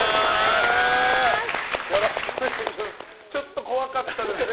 ちょっと怖かったですね。